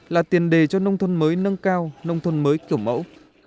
là tiền đề cho nông thôn mới nâng cao nông thôn mới kiểu mẫu